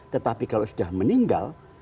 tetapi kalau sudah meninggal